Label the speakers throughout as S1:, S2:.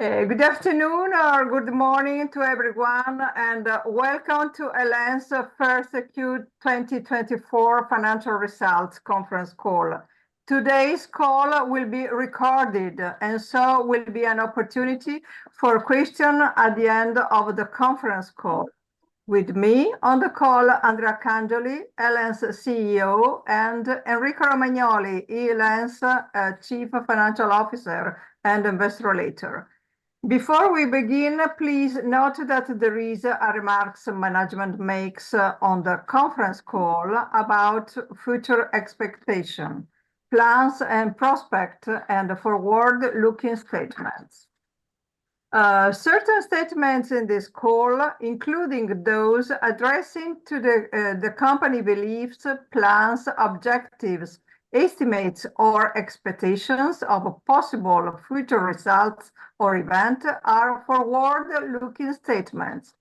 S1: Good afternoon or good morning to everyone, and welcome to El.En. first Q1 2024 financial results conference call. Today's call will be recorded, and so there will be an opportunity for questions at the end of the conference call. With me on the call, Andrea Cangioli, El.En. CEO, and Enrico Romagnoli, El.En. Chief Financial Officer and Investor Relations. Before we begin, please note that there are remarks that management makes on the conference call about future expectations, plans and prospects, and forward-looking statements. Certain statements in this call, including those addressing the company's beliefs, plans, objectives, estimates, or expectations of possible future results or events, are forward-looking statements.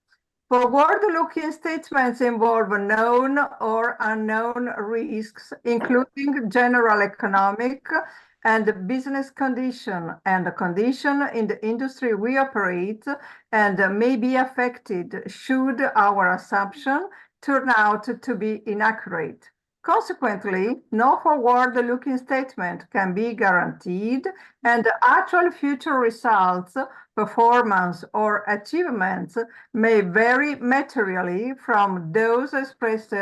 S1: Forward-looking statements involve known or unknown risks, including general economic and business conditions, and the conditions in the industry we operate, and may be affected should our assumptions turn out to be inaccurate. Consequently, no forward-looking statement can be guaranteed, and actual future results, performance, or achievements may vary materially from those expressed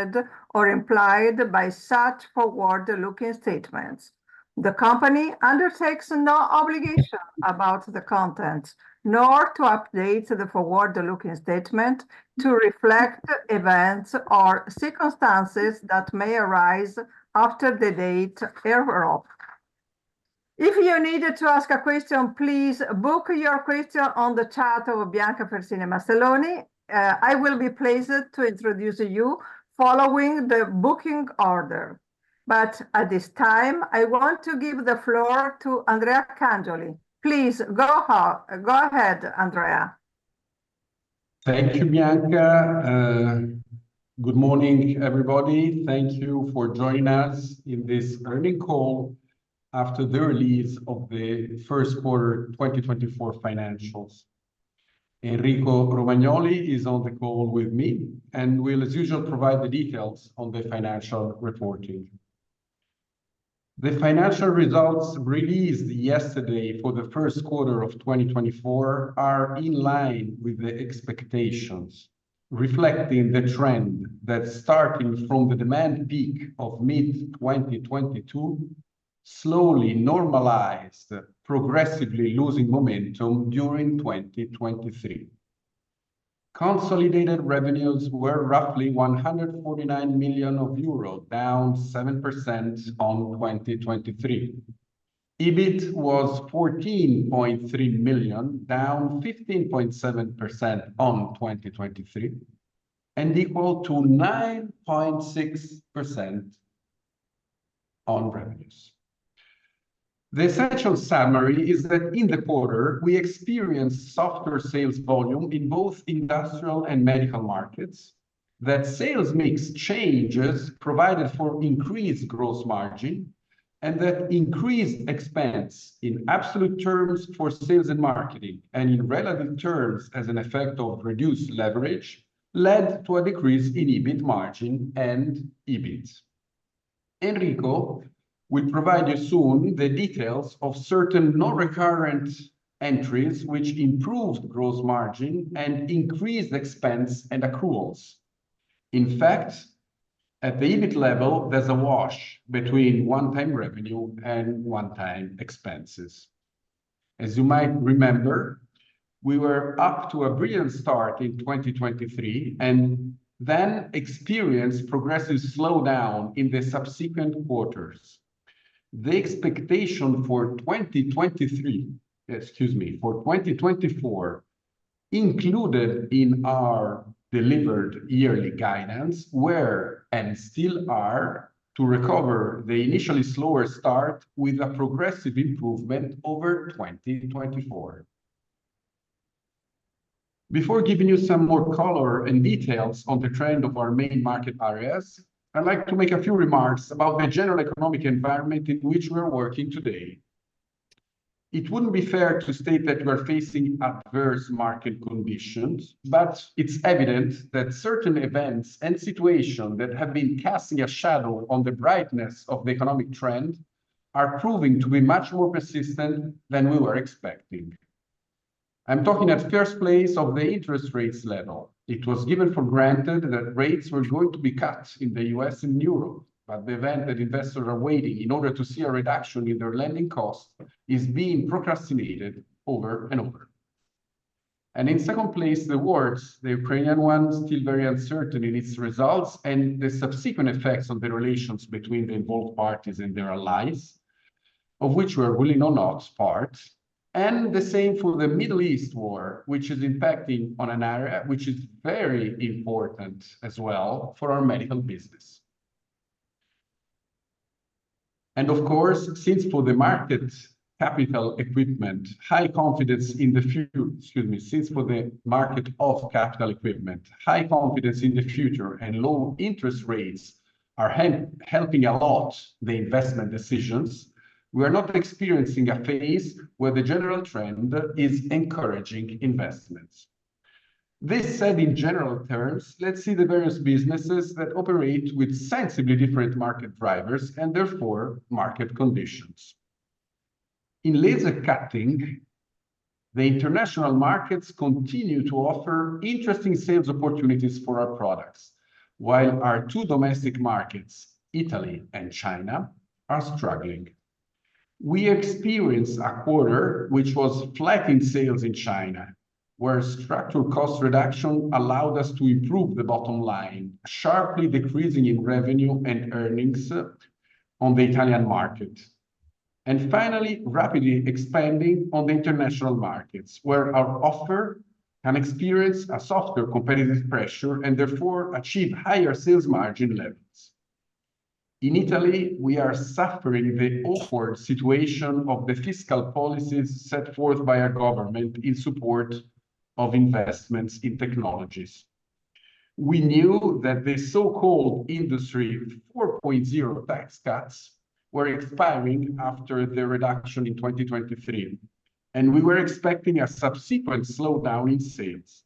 S1: or implied by such forward-looking statements. The company undertakes no obligation about the content, nor to update the forward-looking statement to reflect events or circumstances that may arise after the date thereof. If you needed to ask a question, please book your question on the chat of Bianca Fersini Mastelloni. I will be pleased to introduce you following the booking order, but at this time, I want to give the floor to Andrea Cangioli. Please, go ahead, Andrea.
S2: Thank you, Bianca. Good morning, everybody. Thank you for joining us in this earnings call after the release of the Q1 2024 financials. Enrico Romagnoli is on the call with me, and will, as usual, provide the details on the financial reporting. The financial results released yesterday for the Q1 of 2024 are in line with the expectations, reflecting the trend that starting from the demand peak of mid-2022, slowly normalized, progressively losing momentum during 2023. Consolidated revenues were roughly 149 million euros, down 7% on 2023. EBIT was 14.3 million, down 15.7% on 2023, and equal to 9.6% on revenues. The essential summary is that in the quarter, we experienced softer sales volume in both industrial and medical markets, that sales mix changes provided for increased gross margin, and that increased expense in absolute terms for sales and marketing, and in relevant terms, as an effect of reduced leverage, led to a decrease in EBIT margin and EBIT. Enrico will provide you soon the details of certain non-recurrent entries, which improved gross margin and increased expense and accruals. In fact, at the EBIT level, there's a wash between one-time revenue and one-time expenses. As you might remember, we were up to a brilliant start in 2023, and then experienced progressive slowdown in the subsequent quarters. The expectation for 2023, excuse me, for 2024, included in our delivered yearly guidance, were, and still are, to recover the initially slower start with a progressive improvement over 2024. Before giving you some more color and details on the trend of our main market areas, I'd like to make a few remarks about the general economic environment in which we're working today. It wouldn't be fair to state that we're facing adverse market conditions, but it's evident that certain events and situation that have been casting a shadow on the brightness of the economic trend are proving to be much more persistent than we were expecting. I'm talking at first place of the interest rates level. It was given for granted that rates were going to be cut in the U.S. and Europe, but the event that investors are waiting in order to see a reduction in their lending costs is being procrastinated over and over. And in second place, the wars, the Ukrainian one, still very uncertain in its results, and the subsequent effects on the relations between the involved parties and their allies, of which we are really not part, and the same for the Middle East war, which is impacting on an area which is very important as well for our medical business. And of course, since for the market of capital equipment, high confidence in the future and low interest rates are helping a lot the investment decisions, we are not experiencing a phase where the general trend is encouraging investments. This said, in general terms, let's see the various businesses that operate with sensibly different market drivers, and therefore, market conditions. In laser cutting, the international markets continue to offer interesting sales opportunities for our products, while our two domestic markets, Italy and China, are struggling. We experienced a quarter which was flat in sales in China, where structural cost reduction allowed us to improve the bottom line, sharply decreasing in revenue and earnings on the Italian market. Finally, rapidly expanding on the international markets, where our offer can experience a softer competitive pressure, and therefore achieve higher sales margin levels. In Italy, we are suffering the awkward situation of the fiscal policies set forth by our government in support of investments in technologies. We knew that the so-called Industry 4.0 tax cuts were expiring after the reduction in 2023, and we were expecting a subsequent slowdown in sales,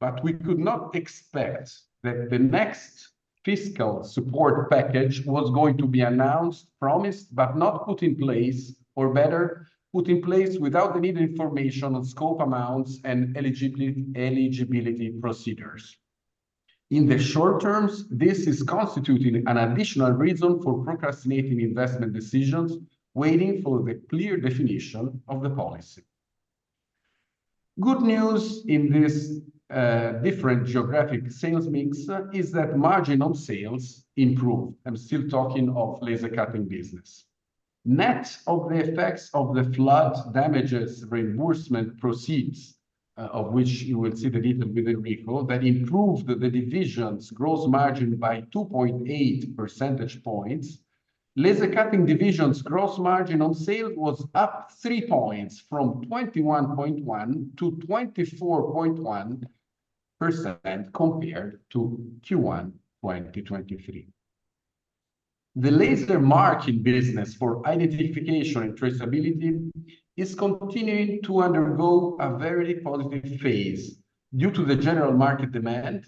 S2: but we could not expect that the next fiscal support package was going to be announced, promised, but not put in place, or better, put in place without the needed information on scope, amounts, and eligibility procedures. In the short terms, this is constituting an additional reason for procrastinating investment decisions, waiting for the clear definition of the policy. Good news in this different geographic sales mix is that margin on sales improved. I'm still talking of laser cutting business. Net of the effects of the flood damages reimbursement proceeds, of which you will see the detail within the report, that improved the division's gross margin by 2.8 percentage points. Laser cutting division's gross margin on sales was up 3 points, from 21.1% to 24.1% compared to Q1 2023. The laser marking business for identification and traceability is continuing to undergo a very positive phase due to the general market demand,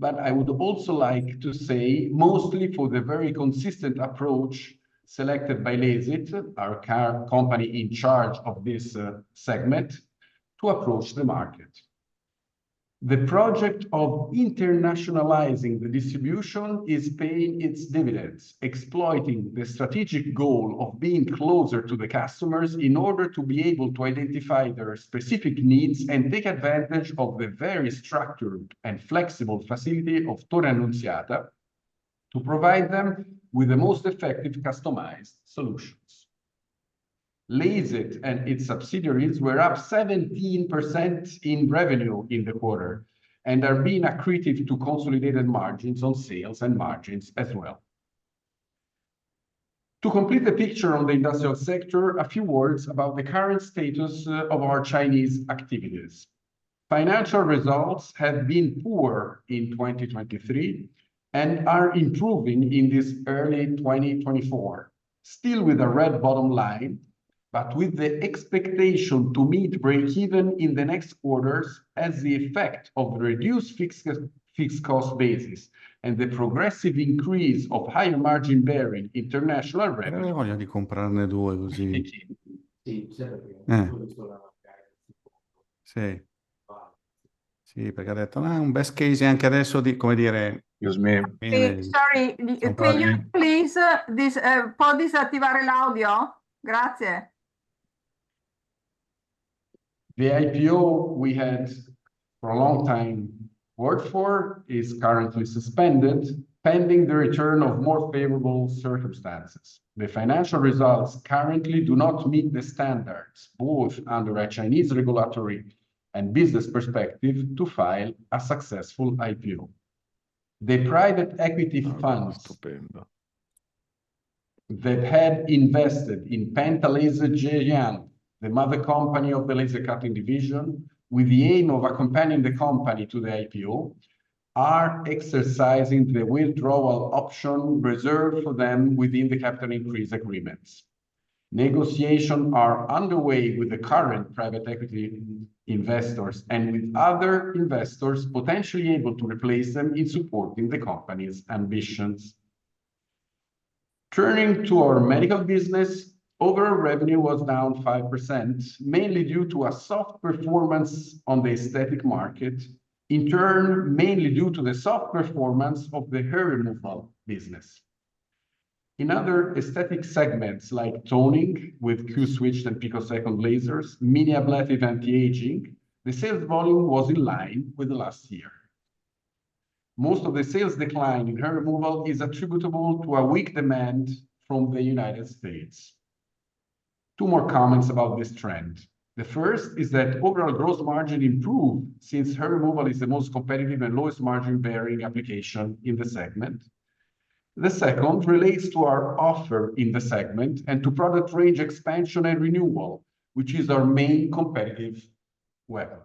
S2: but I would also like to say, mostly for the very consistent approach selected by LASIT, our company in charge of this segment, to approach the market. The project of internationalizing the distribution is paying its dividends, exploiting the strategic goal of being closer to the customers in order to be able to identify their specific needs, and take advantage of the very structured and flexible facility of Torre Annunziata to provide them with the most effective customized solutions. LASIT and its subsidiaries were up 17% in revenue in the quarter, and are being accretive to consolidated margins on sales and margins as well. To complete the picture on the industrial sector, a few words about the current status of our Chinese activities. Financial results have been poor in 2023, and are improving in this early 2024, still with a red bottom line, but with the expectation to meet break-even in the next quarters as the effect of reduced fixed cost basis, and the progressive increase of higher margin bearing international revenue.... Excuse me.
S3: Sorry, can you please,
S2: The IPO we had for a long time worked for is currently suspended, pending the return of more favorable circumstances. The financial results currently do not meet the standards, both under a Chinese regulatory and business perspective, to file a successful IPO. The private equity funds that had invested in Pentalaser, the mother company of the laser cutting division, with the aim of accompanying the company to the IPO, are exercising the withdrawal option reserved for them within the capital increase agreements. Negotiations are underway with the current private equity investors, and with other investors potentially able to replace them in supporting the company's ambitions. Turning to our medical business, overall revenue was down 5%, mainly due to a soft performance on the aesthetic market, in turn, mainly due to the soft performance of the hair removal business. In other aesthetic segments, like toning with Q-switched and picosecond lasers, mini ablative anti-aging, the sales volume was in line with last year. Most of the sales decline in hair removal is attributable to a weak demand from the United States. Two more comments about this trend: The first is that overall gross margin improved, since hair removal is the most competitive and lowest margin-bearing application in the segment. The second relates to our offer in the segment and to product range expansion and renewal, which is our main competitive weapon.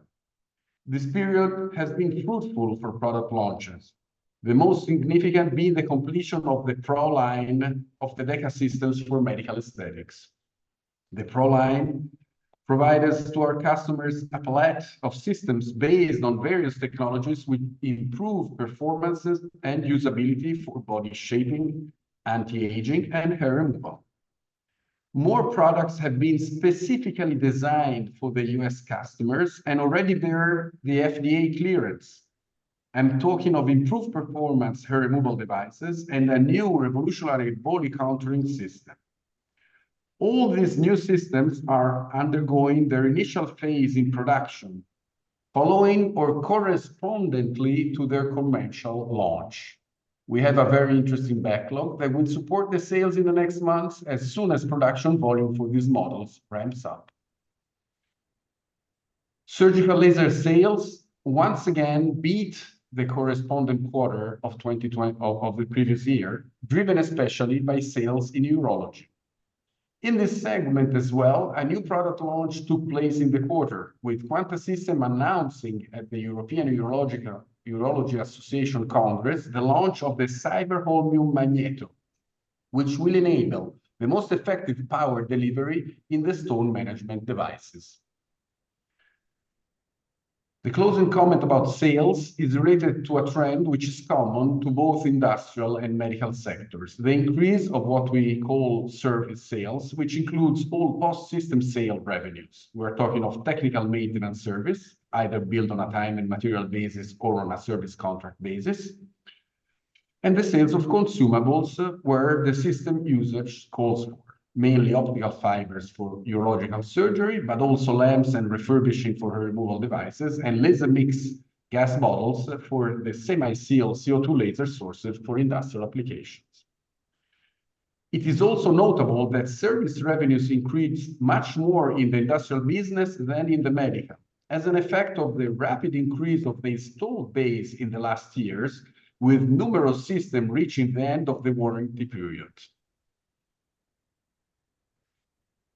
S2: This period has been fruitful for product launches, the most significant being the completion of the Pro Line of the DEKA systems for medical aesthetics. The Pro Line provide us to our customers a palette of systems based on various technologies, which improve performances and usability for body shaping, anti-aging, and hair removal. More products have been specifically designed for the US customers, and already bear the FDA clearance. I'm talking of improved performance hair removal devices, and a new revolutionary body contouring system. All these new systems are undergoing their initial phase in production, following or correspondently to their commercial launch. We have a very interesting backlog that will support the sales in the next months, as soon as production volume for these models ramps up. Surgical laser sales once again beat the corresponding quarter of the previous year, driven especially by sales in urology. In this segment as well, a new product launch took place in the quarter, with Quanta System announcing at the European Association of Urology Congress, the launch of the Cyber Ho Magneto, which will enable the most effective power delivery in the stone management devices. The closing comment about sales is related to a trend which is common to both industrial and medical sectors. The increase of what we call service sales, which includes all post-system sale revenues. We're talking of technical maintenance service, either built on a time and material basis or on a service contract basis, and the sales of consumables, where the system usage calls for mainly optical fibers for urological surgery, but also lamps and refurbishing for hair removal devices, and laser mix gas bottles for the semi-sealed CO2 laser sources for industrial applications. It is also notable that service revenues increased much more in the industrial business than in the medical, as an effect of the rapid increase of the installed base in the last years, with numerous systems reaching the end of the warranty period.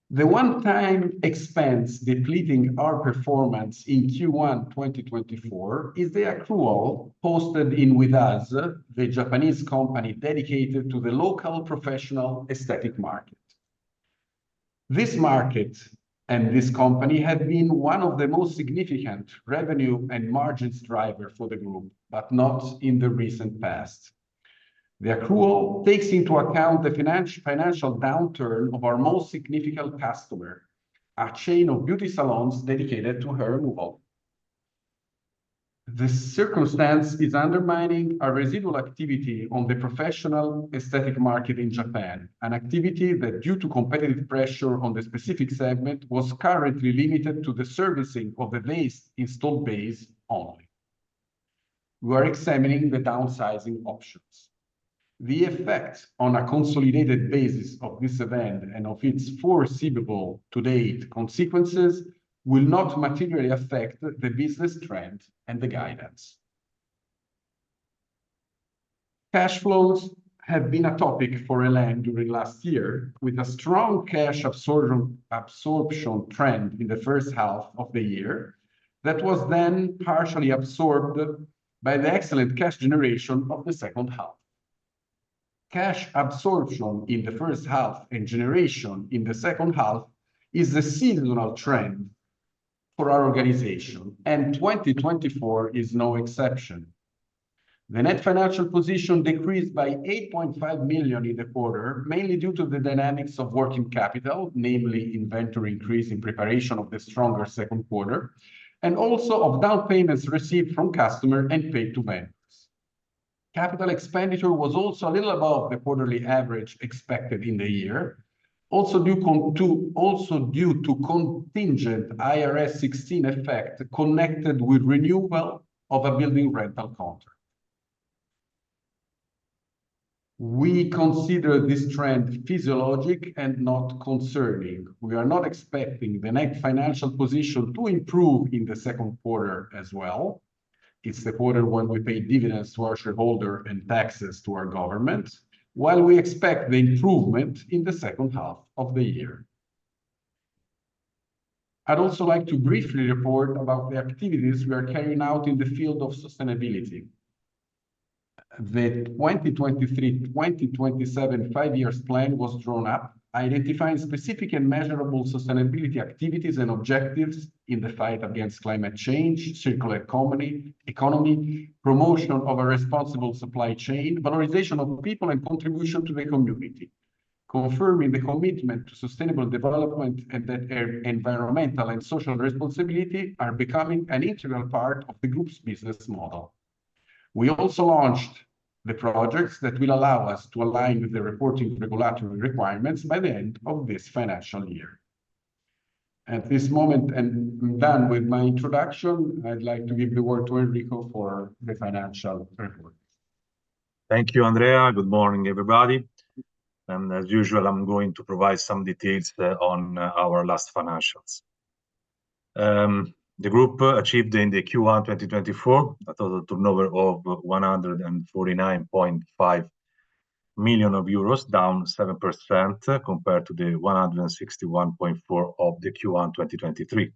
S2: The one-time expense depleting our performance in Q1 2024 is the accrual posted in With Us, the Japanese company dedicated to the local professional aesthetic market. This market and this company had been one of the most significant revenue and margins driver for the group, but not in the recent past. The accrual takes into account the financial downturn of our most significant customer, a chain of beauty salons dedicated to hair removal. This circumstance is undermining our residual activity on the professional aesthetic market in Japan, an activity that, due to competitive pressure on the specific segment, was currently limited to the servicing of the base, installed base only. We're examining the downsizing options. The effect on a consolidated basis of this event, and of its foreseeable to-date consequences, will not materially affect the business trend and the guidance. Cash flows have been a topic for El.En. during last year, with a strong cash absorption trend in the first half of the year, that was then partially absorbed by the excellent cash generation of the second half. Cash absorption in the first half and generation in the second half is the seasonal trend for our organization, and 2024 is no exception. The net financial position decreased by 8.5 million in the quarter, mainly due to the dynamics of working capital, namely inventory increase in preparation of the stronger Q2, and also of down payments received from customer and paid to vendors. Capital expenditure was also a little above the quarterly average expected in the year, also due to contingent IFRS 16 effect connected with renewal of a building rental contract. We consider this trend physiologic and not concerning. We are not expecting the net financial position to improve in the Q2 as well. It's the quarter when we pay dividends to our shareholder and taxes to our government, while we expect the improvement in the second half of the year. I'd also like to briefly report about the activities we are carrying out in the field of sustainability. The 2023-2027 five-year plan was drawn up, identifying specific and measurable sustainability activities and objectives in the fight against climate change, circular economy, economy, promotion of a responsible supply chain, valorization of people, and contribution to the community. Confirming the commitment to sustainable development and that environmental and social responsibility are becoming an integral part of the group's business model. We also launched the projects that will allow us to align with the reporting regulatory requirements by the end of this financial year. At this moment, I'm done with my introduction. I'd like to give the word to Enrico for the financial report.
S4: Thank you, Andrea. Good morning, everybody, and as usual, I'm going to provide some details on our last financials. The group achieved in the Q1 2024 a total turnover of 149.5 million euros, down 7% compared to the 161.4 of the Q1 2023.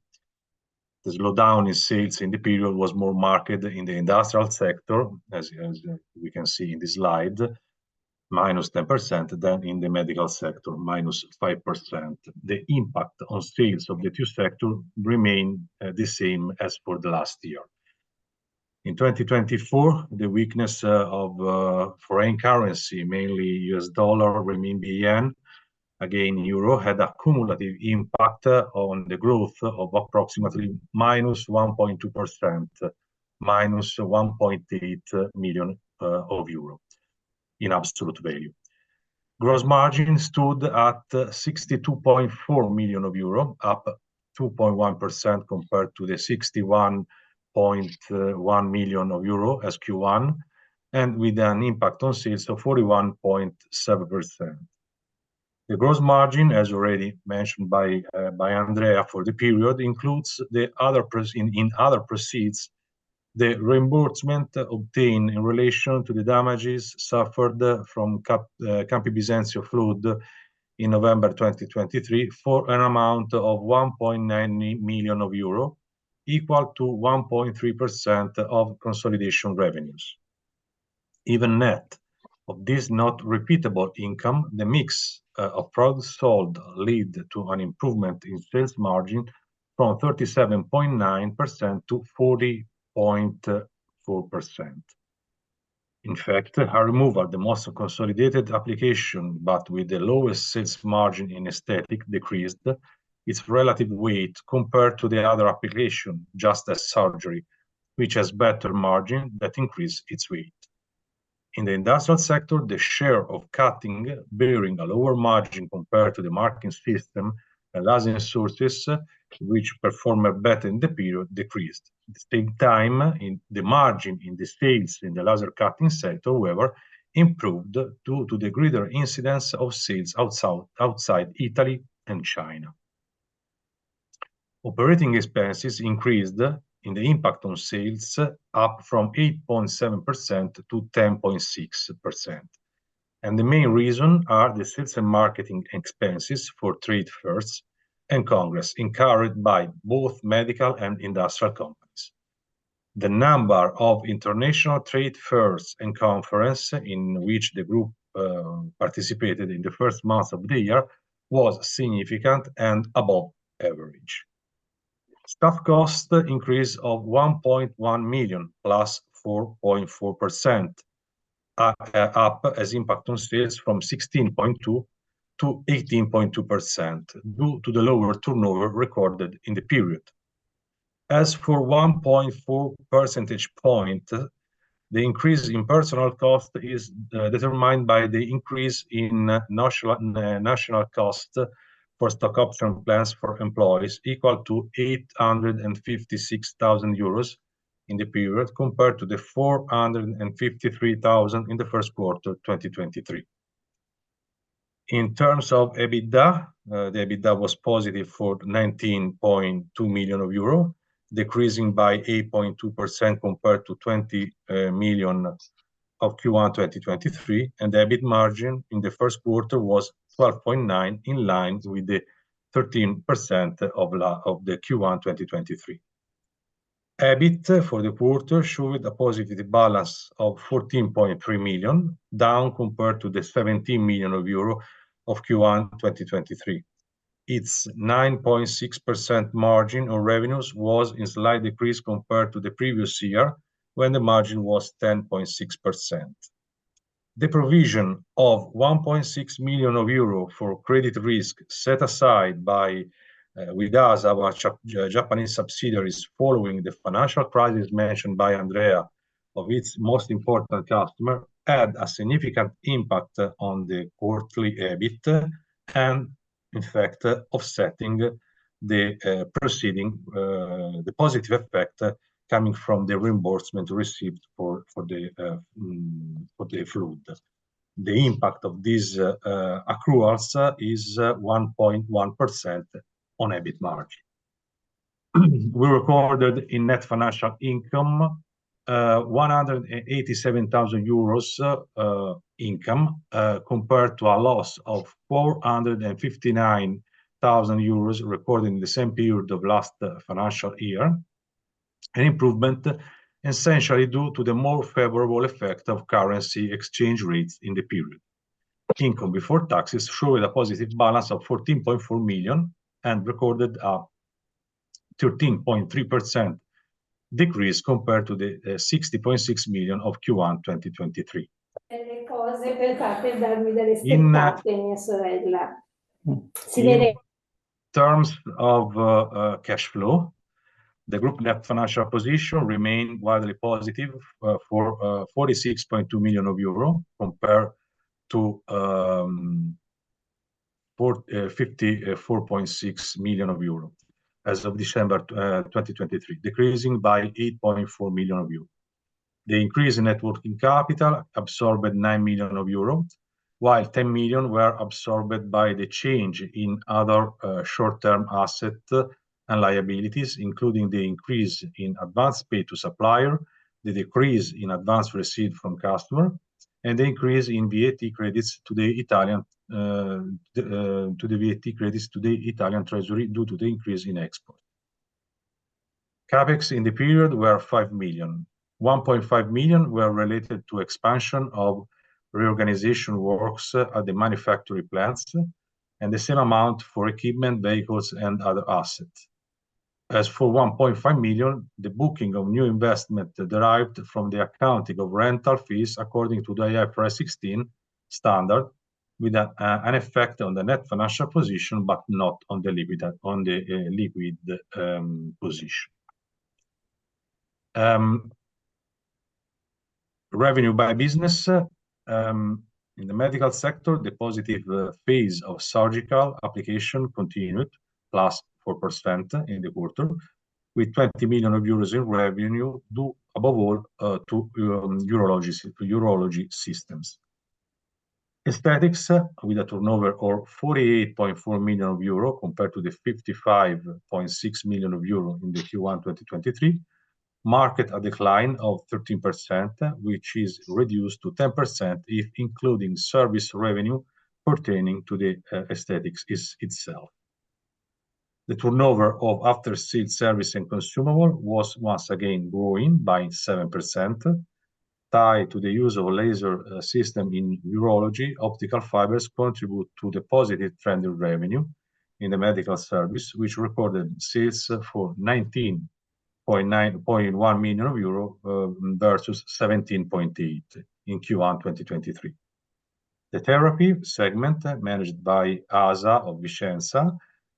S4: ...The slowdown in sales in the period was more marked in the industrial sector, as, as we can see in the slide, -10% than in the medical sector, -5%. The impact on sales of the two sectors remains the same as for the last year. In 2024, the weakness of foreign currency, mainly US dollar, renminbi, yen, again, euro, had a cumulative impact on the growth of approximately -1.2%, -1.8 million euro in absolute value. Gross margin stood at 62.4 million euro, up 2.1% compared to the 61.1 million euro as Q1, and with an impact on sales of 41.7%. The gross margin, as already mentioned by Andrea for the period, includes the other proceeds, the reimbursement obtained in relation to the damages suffered from Campi Bisenzio flood in November 2023, for an amount of 1.9 million euro, equal to 1.3% of consolidated revenues. Even net of this not repeatable income, the mix of products sold lead to an improvement in sales margin from 37.9% to 40.4%. In fact, a removal, the most consolidated application, but with the lowest sales margin in aesthetic, decreased its relative weight compared to the other application, just as surgery, which has better margin, that increase its weight. In the industrial sector, the share of cutting, bearing a lower margin compared to the marking system, allowing sources which perform better in the period, decreased. At the same time, in the margin in the sales, in the laser cutting sector, however, improved due to the greater incidence of sales outside Italy and China. Operating expenses increased in the impact on sales, up from 8.7% to 10.6%, and the main reason are the sales and marketing expenses for trade fairs and congress, encouraged by both medical and industrial companies. The number of international trade fairs and conference, in which the group participated in the first month of the year, was significant and above average. Staff cost increase of 1.1 million, +4.4%, up as impact on sales from 16.2%-18.2%, due to the lower turnover recorded in the period. As for 1.4 percentage points, the increase in personnel cost is determined by the increase in national cost for stock option plans for employees, equal to 856,000 euros in the period, compared to the 453,000 in the Q1 of 2023. In terms of EBITDA, the EBITDA was positive for 19.2 million euro, decreasing by -8.2% compared to 20 million of Q1 2023, and the EBIT margin in the Q1 was 12.9%, in line with the 13% of the Q1 2023. BIT for the quarter showed a positive balance of 14.3 million, down compared to the 17 million euro of Q1 2023. Its 9.6% margin on revenues was in slight decrease compared to the previous year, when the margin was 10.6%. The provision of 1.6 million euro for credit risk, set aside by, with us, our Japanese subsidiaries, following the financial crisis mentioned by Andrea of its most important customer, had a significant impact on the quarterly EBIT, and in fact, offsetting the, proceeding, the positive effect coming from the reimbursement received for the flood. The impact of these accruals is 1.1% on EBIT margin. We recorded in net financial income, 187,000 euros, income, compared to a loss of 459,000 euros recorded in the same period of last financial year. An improvement, essentially, due to the more favorable effect of currency exchange rates in the period. Income before taxes showed a positive balance of 14.4 million, and recorded a 13.3% decrease compared to the 60.6 million of Q1 2023. In terms of cash flow, the group net financial position remained widely positive for 46.2 million euro, compared to 54.6 million euro as of December 2023, decreasing by 8.4 million euro. The increase in net working capital absorbed 9 million euro, while 10 million euro were absorbed by the change in other short-term asset and liabilities, including the increase in advanced pay to supplier, the decrease in advance received from customers, and the increase in VAT credits to the Italian treasury due to the increase in export. CapEx in the period were 5 million. 1.5 million were related to expansion of reorganization works at the manufacturing plants, and the same amount for equipment, vehicles, and other assets. As for 1.5 million, the booking of new investment derived from the accounting of rental fees according to the IFRS 16 standard, with an effect on the net financial position, but not on the liquid position. Revenue by business, in the medical sector, the positive phase of surgical application continued +4% in the quarter, with 20 million euros in revenue, due above all to urology systems. Aesthetics, with a turnover of 48.4 million euro, compared to the 55.6 million euro in Q1 2023, marked a decline of 13%, which is reduced to 10% if including service revenue pertaining to the aesthetics itself. The turnover of after-sales service and consumable was once again growing by 7%, tied to the use of laser system in urology. Optical fibers contribute to the positive trend of revenue in the medical service, which recorded sales for 19.91 million euro versus 17.8 in Q1 2023. The therapy segment, managed by ASA of Vicenza,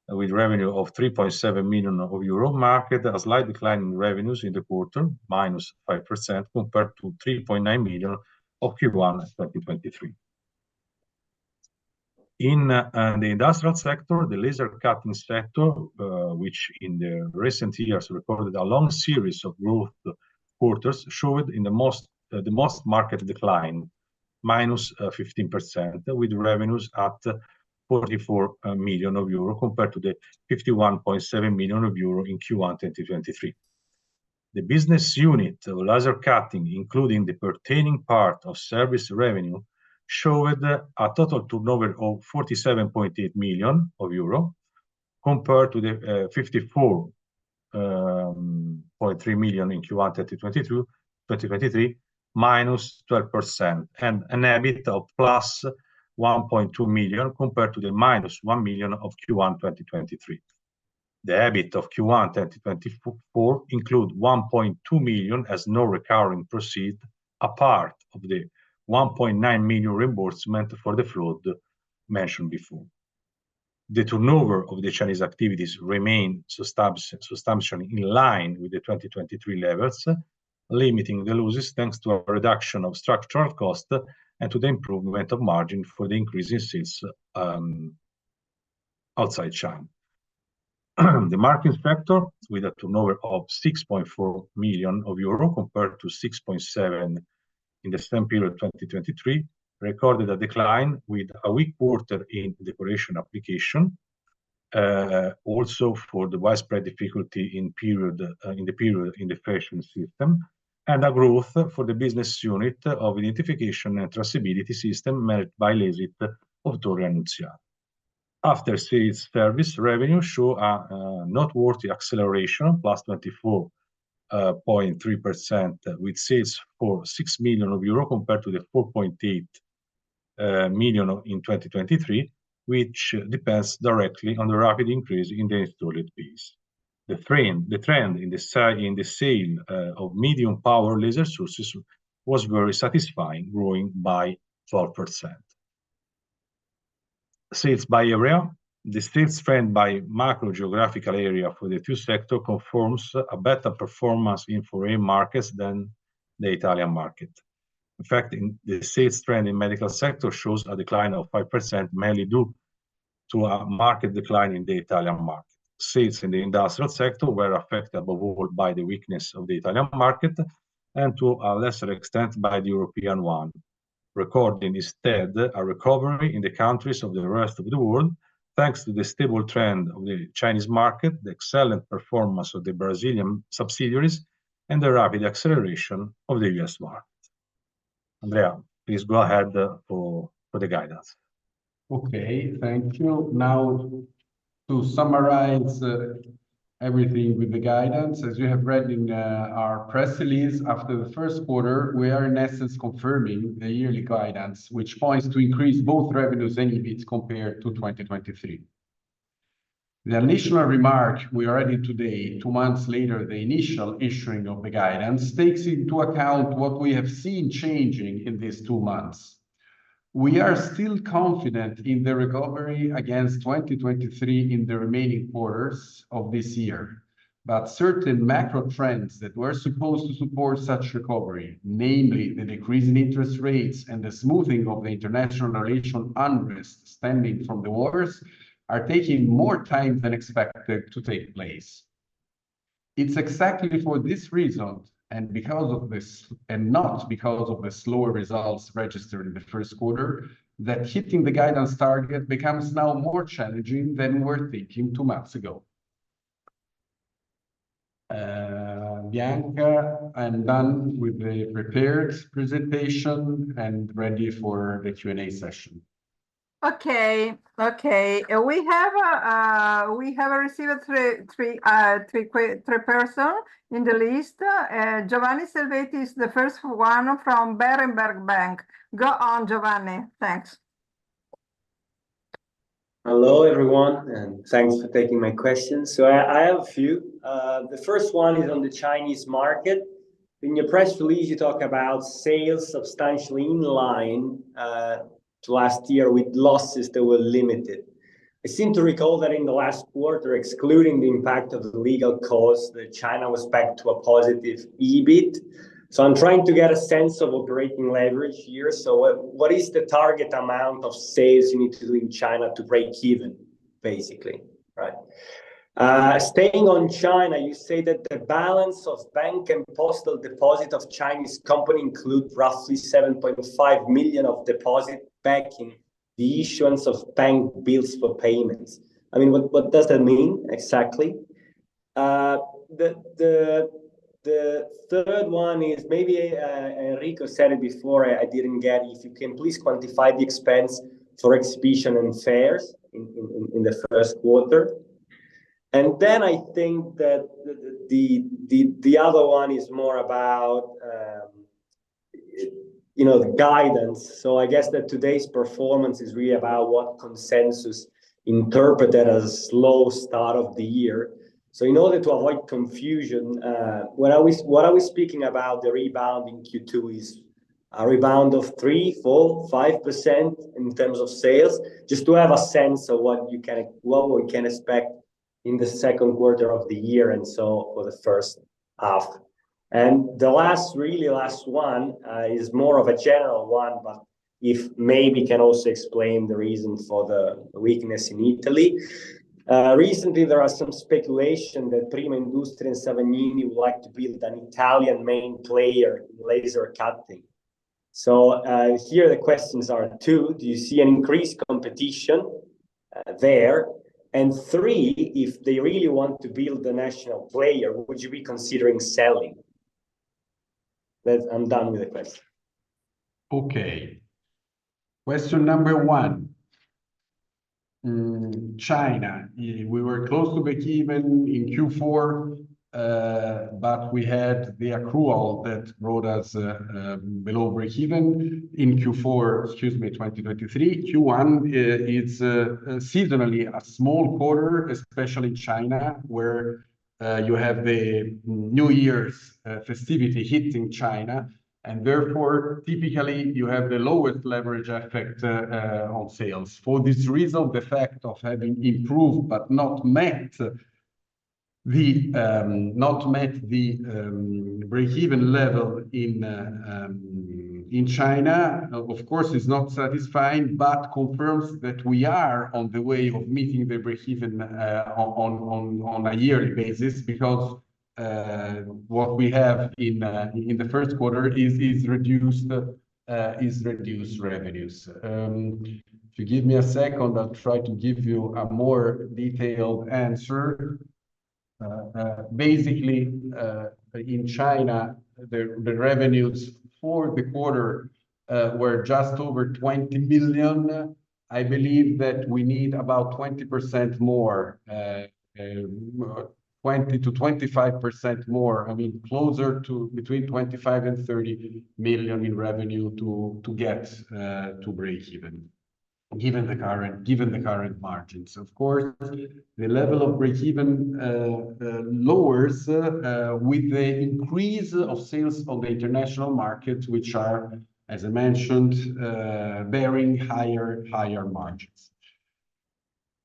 S4: with revenue of 3.7 million euro, marked a slight decline in revenues in the quarter, -5%, compared to 3.9 million in Q1 2023. In the industrial sector, the laser cutting sector, which in the recent years recorded a long series of growth quarters, showed in the most, the most marked decline, -15%, with revenues at 44 million euro, compared to the 51.7 million euro in Q1 2023. The business unit of laser cutting, including the pertaining part of service revenue, showed a total turnover of 47.8 million euro, compared to the 54.3 million in Q1 2023, minus 12%, and an EBIT of +1.2 million, compared to the -1 million of Q1 2023. The EBIT of Q1 2024 include 1.2 million as non recurring proceeds, as part of the 1.9 million reimbursement for the fraud mentioned before. The turnover of the Chinese activities remain substantially in line with the 2023 levels, limiting the losses, thanks to a reduction of structural cost and to the improvement of margin for the increases since outside China. The marking sector, with a turnover of 6.4 million euro, compared to 6.7 million in the same period, 2023, recorded a decline with a weak quarter in decoration application, also for the widespread difficulty in the period in the fashion system, and a growth for the business unit of identification and traceability system, managed by LASIT of Torre Annunziata. After-sales service revenue show a noteworthy acceleration, +24.3%, with sales for 6 million euro, compared to the 4.8 million in 2023, which depends directly on the rapid increase in the installed base. The trend in the sale of medium-power laser sources was very satisfying, growing by 12%. Sales by area. The sales trend by macro geographical area for the two sectors confirms a better performance in foreign markets than the Italian market. In fact, the sales trend in the medical sector shows a decline of 5%, mainly due to a market decline in the Italian market. Sales in the industrial sector were affected above all by the weakness of the Italian market, and to a lesser extent, by the European one, recording instead a recovery in the countries of the rest of the world, thanks to the stable trend of the Chinese market, the excellent performance of the Brazilian subsidiaries, and the rapid acceleration of the U.S. market. Andrea, please go ahead for the guidance.
S2: Okay, thank you. Now, to summarize, everything with the guidance, as you have read in our press release, after the Q1, we are in essence confirming the yearly guidance, which points to increase both revenues and EBIT compared to 2023. The initial remark we already today, two months later, the initial issuing of the guidance, takes into account what we have seen changing in these two months. We are still confident in the recovery against 2023 in the remaining quarters of this year, but certain macro trends that were supposed to support such recovery, namely the decrease in interest rates and the smoothing of the international and regional unrest stemming from the wars, are taking more time than expected to take place. It's exactly for this reason, and because of this, and not because of the slower results registered in the Q1, that hitting the guidance target becomes now more challenging than we were thinking two months ago. Bianca, I'm done with the prepared presentation and ready for the Q&A session.
S1: Okay. Okay, and we have received three persons in the list. Giovanni Selvetti is the first one from Berenberg Bank. Go on, Giovanni. Thanks.
S5: Hello, everyone, and thanks for taking my questions. So I have a few. The first one is on the Chinese market. In your press release, you talk about sales substantially in line to last year, with losses that were limited. I seem to recall that in the last quarter, excluding the impact of the legal costs, that China was back to a positive EBIT. So I'm trying to get a sense of operating leverage here. So what is the target amount of sales you need to do in China to break even, basically, right? Staying on China, you say that the balance of bank and postal deposit of Chinese company include roughly 7.5 million of deposit banking, the issuance of bank bills for payments. I mean, what does that mean exactly? The third one is, maybe, Enrico said it before, I didn't get, if you can please quantify the expense for exhibition and fairs in the Q1. And then I think that the other one is more about, you know, the guidance. So I guess that today's performance is really about what consensus interpreted as a slow start of the year. So in order to avoid confusion, what are we speaking about the rebound in Q2? Is a rebound of 3, 4, 5% in terms of sales? Just to have a sense of what we can expect in the Q2 of the year, and so for the first half. And the last, really last one, is more of a general one, but if maybe can also explain the reason for the weakness in Italy. Recently there are some speculation that Prima Industrie and Salvagnini would like to build an Italian main player in laser cutting. Here the questions are, two, do you see an increased competition, there? And three, if they really want to build a national player, would you be considering selling? That's... I'm done with the question.
S2: Okay. Question number one, China. We were close to break-even in Q4, but we had the accrual that brought us below break-even in Q4, excuse me, 2023. Q1, it's seasonally a small quarter, especially China, where you have the New Year's festivity hitting China, and therefore, typically you have the lowest leverage effect on sales. For this reason, the fact of having improved but not met the break-even level in China, of course, is not satisfying, but confirms that we are on the way of meeting the break-even on a yearly basis because what we have in the Q1 is reduced revenues. If you give me a second, I'll try to give you a more detailed answer. Basically, in China, the revenues for the quarter were just over 20 million. I believe that we need about 20% more, 20% to 25% more, I mean, closer to between 25 million and 30 million in revenue to get to break even, given the current margins. Of course, the level of break even lowers with the increase of sales on the international market, which are, as I mentioned, bearing higher margins.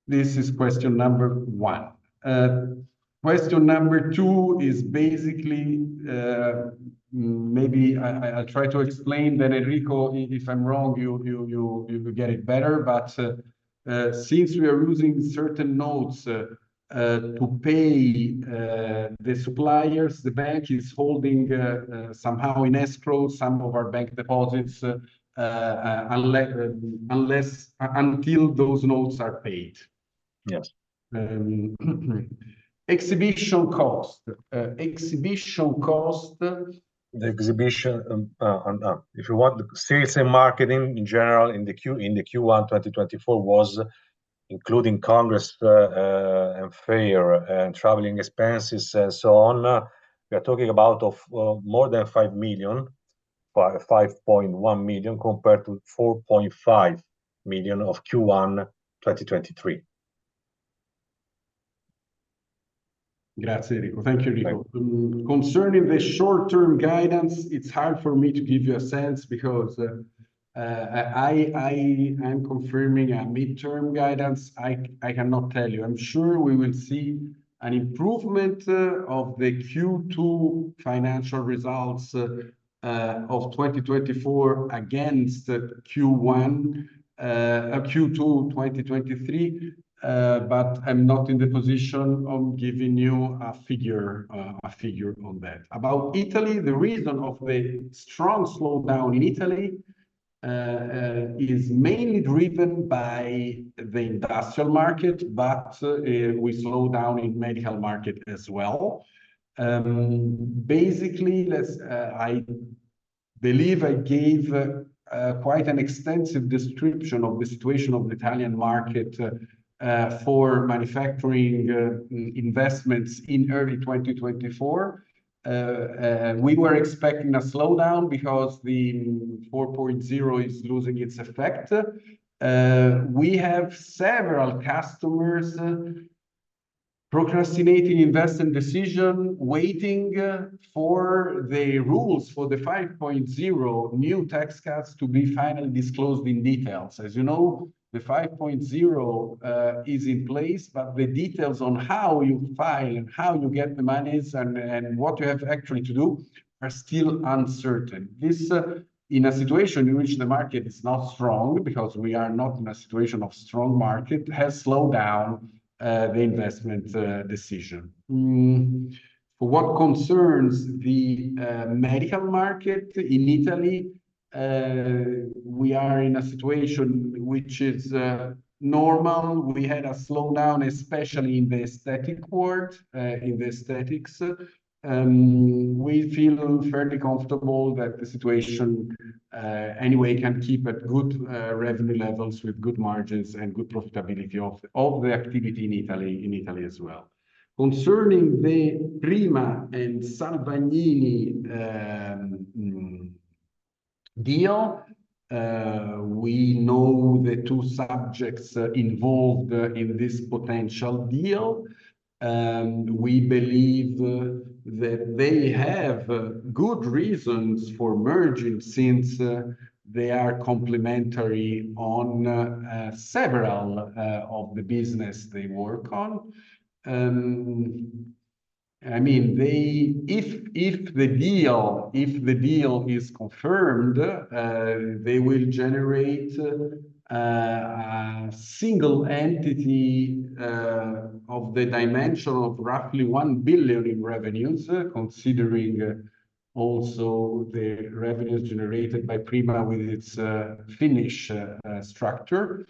S2: This is question number 1. Question number 2 is basically, maybe I try to explain, then Enrico, if I'm wrong, you will get it better. Since we are using certain notes to pay the suppliers, the bank is holding somehow in escrow some of our bank deposits until those notes are paid.
S4: Yes.
S2: Exhibition cost.
S4: The exhibition, if you want the sales and marketing in general in the Q1 2024 was including Congress, and fair and traveling expenses and so on, we are talking about of, more than 5 million, 5.1 million, compared to 4.5 million of Q1 2023.
S2: Grazie, Enrico. Thank you, Enrico.
S4: Thank you.
S2: Concerning the short-term guidance, it's hard for me to give you a sense, because I am confirming a midterm guidance. I cannot tell you. I'm sure we will see an improvement of the Q2 financial results of 2024 against the Q2 2023, but I'm not in the position of giving you a figure, a figure on that. About Italy, the reason of the strong slowdown in Italy is mainly driven by the industrial market, but we slow down in medical market as well. Basically, I believe I gave quite an extensive description of the situation of the Italian market for manufacturing investments in early 2024. We were expecting a slowdown because the Industry 4.0 is losing its effect. We have several customers procrastinating investment decision, waiting for the rules for the 5.0 new tax cuts to be finally disclosed in details. As you know, the 5.0 is in place, but the details on how you file and how you get the monies and what you have actually to do are still uncertain. This, in a situation in which the market is not strong, because we are not in a situation of strong market, has slowed down the investment decision. For what concerns the medical market in Italy, we are in a situation which is normal. We had a slowdown, especially in the aesthetic part, in the aesthetics. We feel fairly comfortable that the situation, anyway, can keep at good revenue levels with good margins and good profitability of the activity in Italy as well. Concerning the Prima and Salvagnini deal, we know the two subjects involved in this potential deal. We believe that they have good reasons for merging since they are complementary on several of the business they work on. I mean, they... If the deal is confirmed, they will generate a single entity of the dimension of roughly 1 billion in revenues, considering also the revenues generated by Prima with its Finnish structure.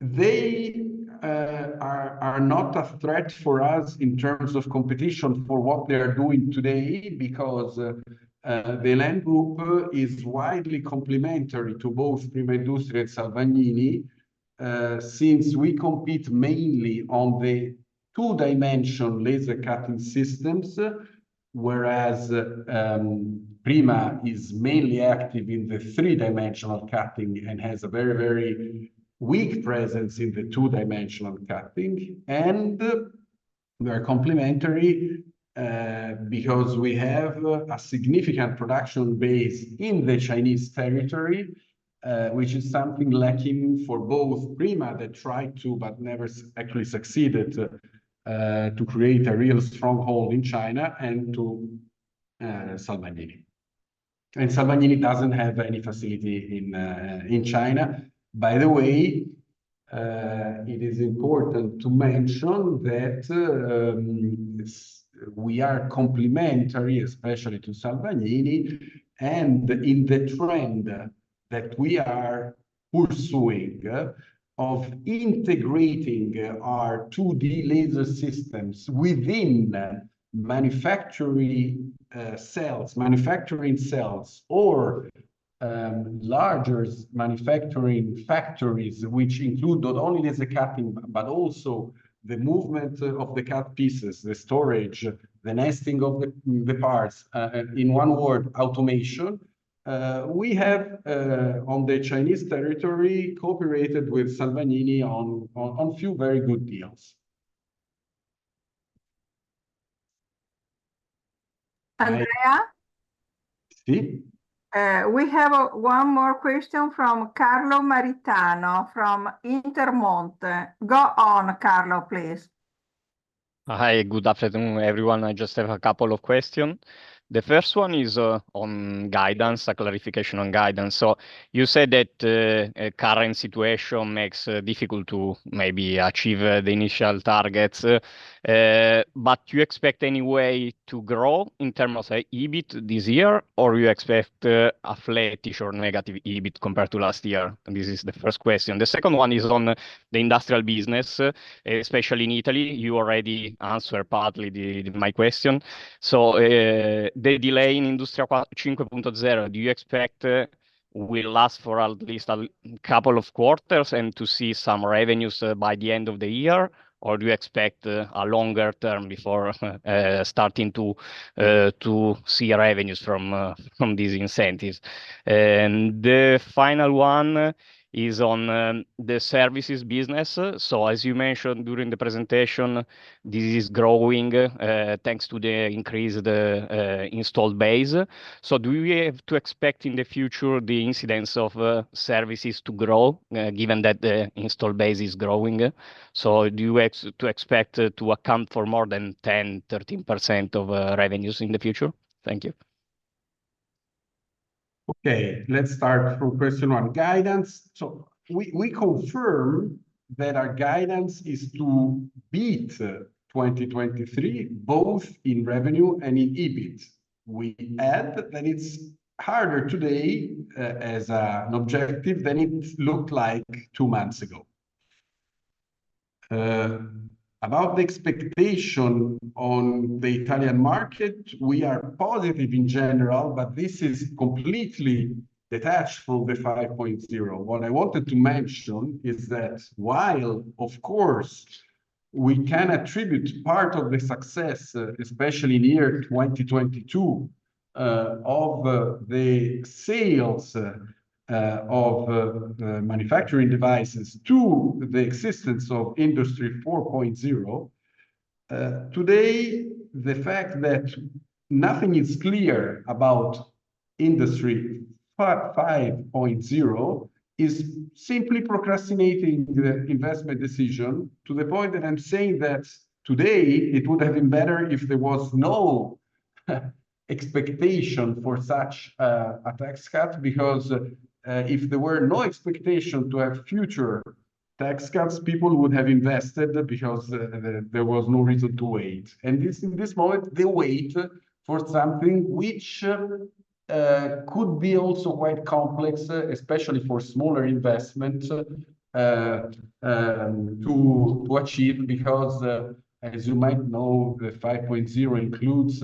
S2: They are not a threat for us in terms of competition for what they are doing today, because the El.En. Group is widely complementary to both Prima Industrie and Salvagnini, since we compete mainly on the two-dimensional laser cutting systems, whereas Prima is mainly active in the three-dimensional cutting and has a very, very weak presence in the two-dimensional cutting. And we are complementary, because we have a significant production base in the Chinese territory, which is something lacking for both Prima, that tried to but never actually succeeded to create a real stronghold in China, and to Salvagnini. And Salvagnini doesn't have any facility in China. By the way, it is important to mention that we are complementary, especially to Salvagnini, and in the trend that we are pursuing, of integrating our 2-D laser systems within manufacturing cells, manufacturing cells, or larger manufacturing factories, which include not only laser cutting, but also the movement of the cut pieces, the storage, the nesting of the parts, in one word, automation. We have on the Chinese territory cooperated with Salvagnini on a few very good deals.
S1: Andrea?
S2: Si.
S1: We have one more question from Carlo Maritano, from Intermonte. Go on, Carlo, please.
S6: Hi, good afternoon, everyone. I just have a couple of questions. The first one is on guidance, a clarification on guidance. So you said that current situation makes it difficult to maybe achieve the initial targets. But you expect anyway to grow in terms of, say, EBIT this year, or you expect a flattish or negative EBIT compared to last year? And this is the first question. The second one is on the industrial business, especially in Italy. You already answered partly my question. So the delay in Industria 5.0, do you expect will last for at least a couple of quarters and to see some revenues by the end of the year? Or do you expect a longer term before starting to see revenues from these incentives? The final one is on the services business. So as you mentioned during the presentation, this is growing thanks to the increase the installed base. So do we have to expect in the future the incidence of services to grow given that the installed base is growing? So do you expect to account for more than 10-13% of revenues in the future? Thank you.
S2: Okay, let's start from question on guidance. So we confirm that our guidance is to beat 2023, both in revenue and in EBIT. We add that it's harder today as an objective than it looked like two months ago. About the expectation on the Italian market, we are positive in general, but this is completely detached from the 5.0. What I wanted to mention is that while, of course, we can attribute part of the success, especially in the year 2022, of the sales of manufacturing devices to the existence of Industry 4.0, today, the fact that nothing is clear about Industry 5.0 is simply procrastinating the investment decision to the point that I'm saying that today it would have been better if there was no expectation for such a tax cut, because, if there were no expectation to have future tax cuts, people would have invested because there was no reason to wait. And this, in this moment, they wait for something which could be also quite complex, especially for smaller investment to achieve, because as you might know, the 5.0 includes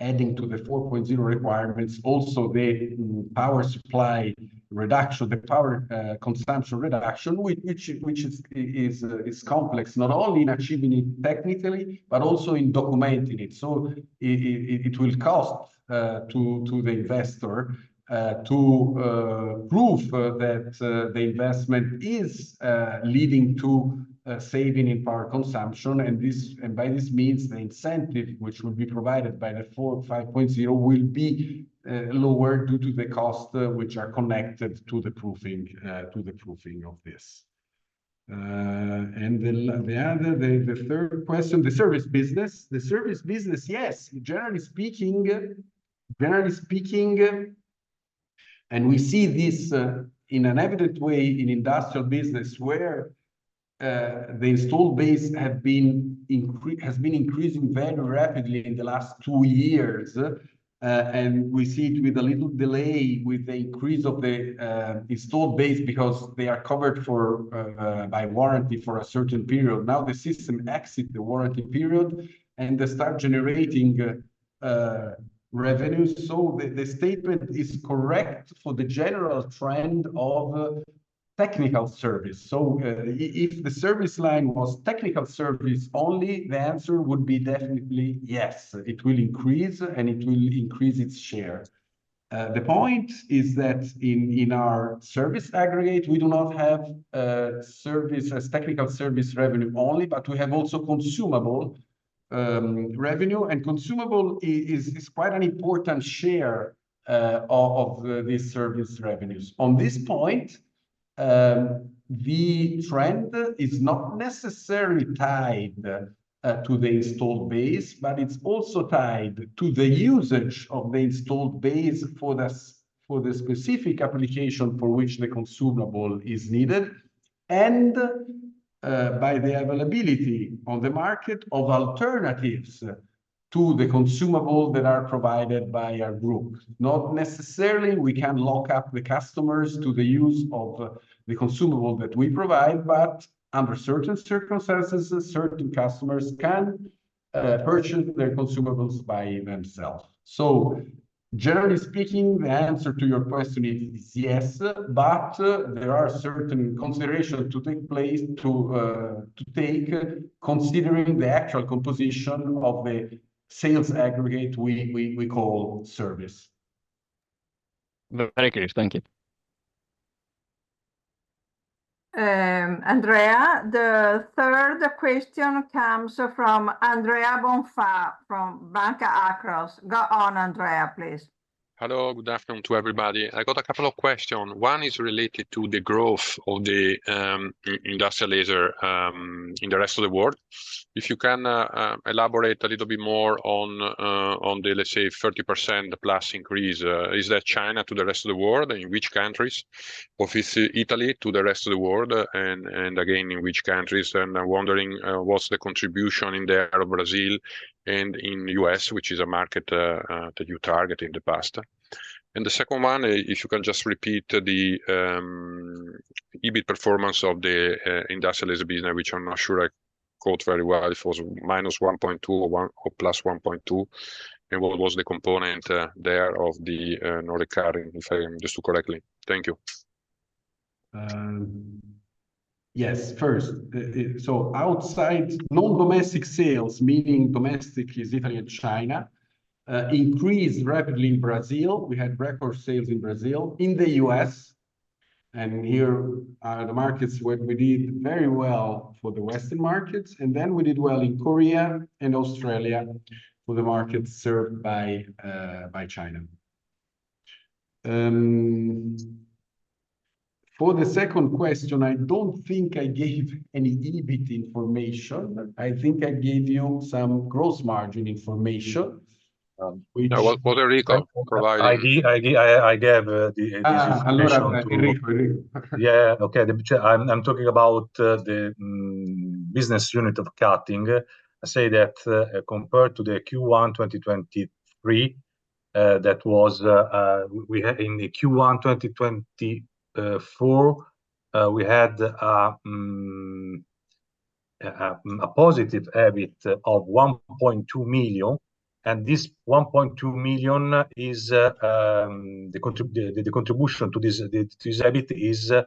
S2: adding to the 4.0 requirements, also the power supply reduction, the power consumption reduction, which is complex, not only in achieving it technically, but also in documenting it. So it will cost to the investor to prove that the investment is leading to a saving in power consumption, and by this means, the incentive which will be provided by the 4.0, 5.0 will be lower due to the costs which are connected to the proofing to the proofing of this. And the other, the third question, the service business. The service business, yes, generally speaking, generally speaking, and we see this in an evident way in industrial business, where the installed base has been increasing very rapidly in the last two years. And we see it with a little delay with the increase of the installed base because they are covered for by warranty for a certain period. Now, the system exit the warranty period, and they start generating revenues. So the statement is correct for the general trend of technical service. So if the service line was technical service only, the answer would be definitely yes, it will increase, and it will increase its share. The point is that in our service aggregate, we do not have service as technical service revenue only, but we have also consumable revenue, and consumable is quite an important share of these service revenues. On this point, the trend is not necessarily tied to the installed base, but it's also tied to the usage of the installed base for the specific application for which the consumable is needed, and by the availability on the market of alternatives to the consumables that are provided by our group. Not necessarily we can lock up the customers to the use of the consumable that we provide, but under certain circumstances, certain customers can purchase their consumables by themselves. Generally speaking, the answer to your question is yes, but there are certain considerations, considering the actual composition of the sales aggregate we call service.
S6: Very clear. Thank you.
S1: Andrea, the third question comes from Andrea Bonfa, from Banca Akros. Go on, Andrea, please.
S7: Hello, good afternoon to everybody. I got a couple of questions. One is related to the growth of the industrial laser in the rest of the world. If you can elaborate a little bit more on the, let's say, 30%+ increase, is that China to the rest of the world, and in which countries? Obviously, Italy to the rest of the world, and again, in which countries, and I'm wondering what's the contribution in the Arab Brazil and in U.S., which is a market that you target in the past. And the second one, if you can just repeat the EBIT performance of the industrial laser business, which I'm not sure I quote very well, it was minus 1.2 or plus 1.2, and what was the component there of the Nordic Harin, if I am just to correctly. Thank you.
S2: Yes, first, so outside non-domestic sales, meaning domestic is Italy and China, increased rapidly in Brazil. We had record sales in Brazil, in the US, and here are the markets where we did very well for the Western markets, and then we did well in Korea and Australia for the markets served by, by China. For the second question, I don't think I gave any EBIT information. I think I gave you some gross margin information....
S7: Well, Puerto Rico provide-
S4: I did. I gave the-
S7: Ah,.
S4: Yeah. Okay, the business unit of cutting. I'm talking about the business unit of cutting. I say that, compared to the Q1 2023, that was, we had in the Q1 2024, we had, a positive EBIT of 1.2 million, and this 1.2 million is, the contribution to this, the, this EBIT is, due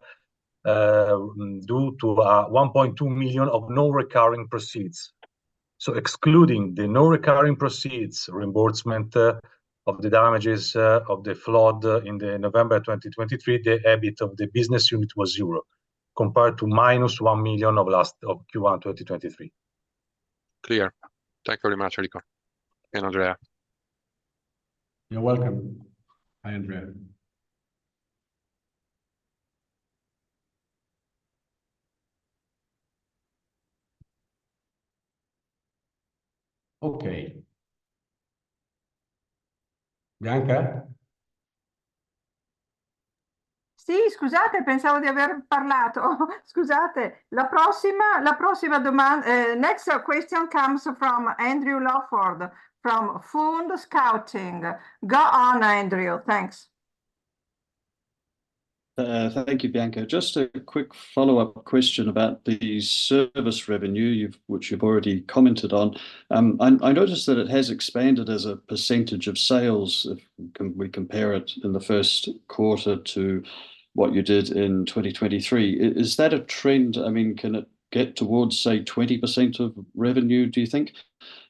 S4: to, 1.2 million of non-recurring proceeds. So excluding the non-recurring proceeds, reimbursement, of the damages, of the flood, in November 2023, the EBIT of the business unit was zero, compared to minus one million of last, of Q1 2023.
S7: Clear. Thank you very much, Enrico and Andrea.
S2: You're welcome. Bye, Andrea. Okay. Bianca?
S1: Sì. Next question comes from Andrew Lawford, from Fund Scouting. Go on, Andrew. Thanks.
S3: Thank you, Bianca. Just a quick follow-up question about the service revenue which you've already commented on. I noticed that it has expanded as a percentage of sales if we compare it in the Q1 to what you did in 2023. Is that a trend? I mean, can it get towards, say, 20% of revenue, do you think?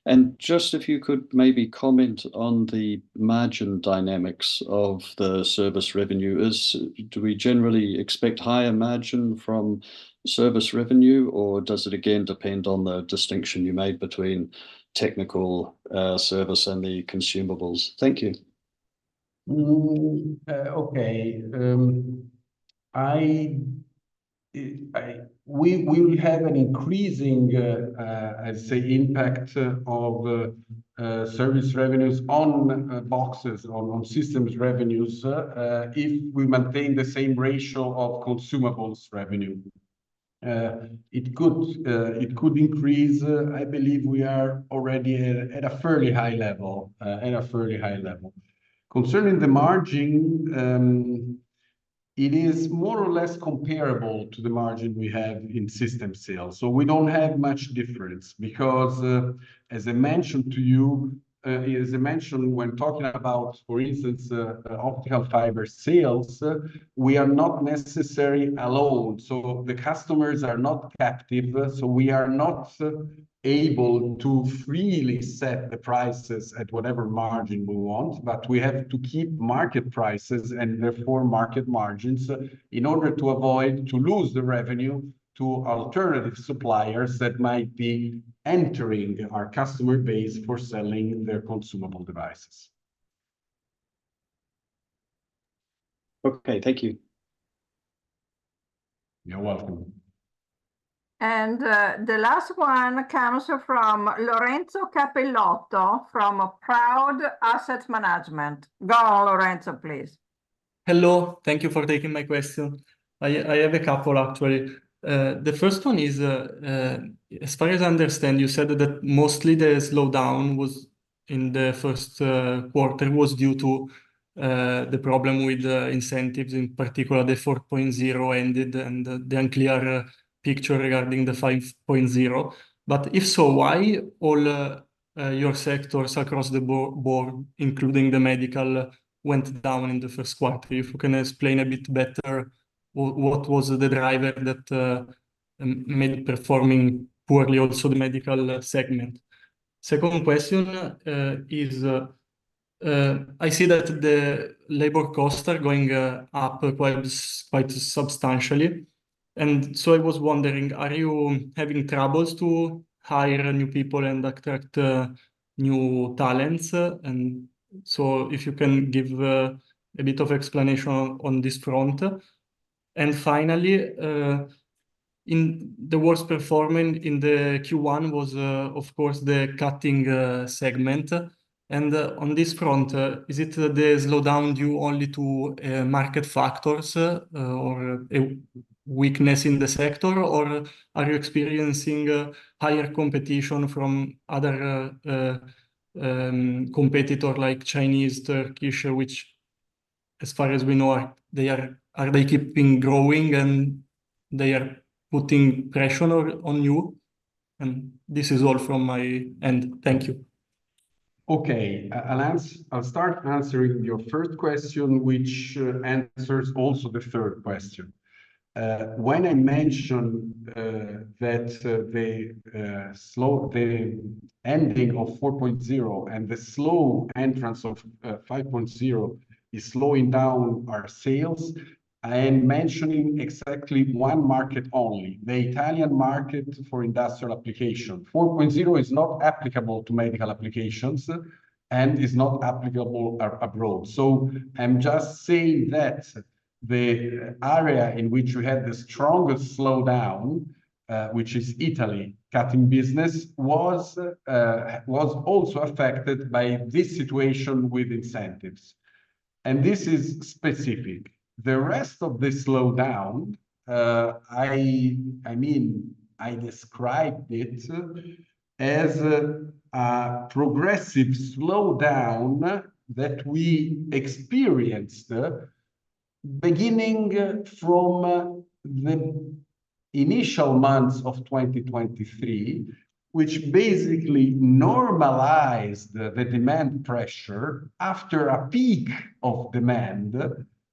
S3: And just if you could maybe comment on the margin dynamics of the service revenue. Do we generally expect higher margin from service revenue, or does it again depend on the distinction you made between technical service and the consumables? Thank you.
S2: Okay. We will have an increasing, let's say impact of service revenues on boxes, on systems revenues, if we maintain the same ratio of consumables revenue. It could increase. I believe we are already at a fairly high level, at a fairly high level. Concerning the margin, it is more or less comparable to the margin we have in system sales, so we don't have much difference, because, as I mentioned to you, as I mentioned when talking about, for instance, optical fiber sales, we are not necessarily alone. The customers are not captive, so we are not able to freely set the prices at whatever margin we want, but we have to keep market prices, and therefore market margins, in order to avoid to lose the revenue to alternative suppliers that might be entering our customer base for selling their consumable devices.
S3: Okay. Thank you.
S2: You're welcome.
S1: The last one comes from Lorenzo Capellotto, from Praude Asset Management. Go, Lorenzo, please.
S8: Hello. Thank you for taking my question. I have a couple, actually. The first one is, as far as I understand, you said that mostly the slowdown was in the Q1 was due to the problem with the incentives, in particular the 4.0 ended and the unclear picture regarding the 5.0. But if so, why all your sectors across the board, including the medical, went down in the Q1? If you can explain a bit better, what was the driver that made performing poorly also the medical segment? Second question is, I see that the labor costs are going up quite substantially, and so I was wondering, are you having troubles to hire new people and attract new talents? And so if you can give a bit of explanation on this front. And finally, in the worst performing in the Q1 was, of course, the cutting segment, and on this front, is it the slowdown due only to market factors, or a weakness in the sector, or are you experiencing higher competition from other competitor like Chinese, Turkish, which as far as we know, are they keeping growing, and they are putting pressure on you? And this is all from my end. Thank you.
S2: Okay. I'll start answering your first question, which answers also the third question. When I mention that the ending of 4.0 and the slow entrance of 5.0 is slowing down our sales, I am mentioning exactly one market only, the Italian market for industrial application. 4.0 is not applicable to medical applications, and is not applicable abroad, so I'm just saying that the area in which we had the strongest slowdown, which is Italy, cutting business, was also affected by this situation with incentives, and this is specific. The rest of the slowdown, I mean, I described it as a progressive slowdown that we experienced beginning from the initial months of 2023, which basically normalized the demand pressure after a peak of demand,